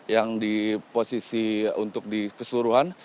yang di posisi untuk di keseluruhan